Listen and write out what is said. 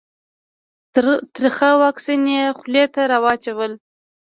ترخه واکسین یې خولې ته راواچول.